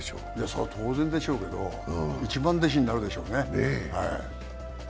それは当然でしょうけど、一番弟子になるでしょうね。